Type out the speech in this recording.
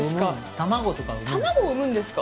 卵を産むんですか？